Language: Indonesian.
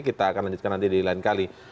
kita akan lanjutkan nanti di lain kali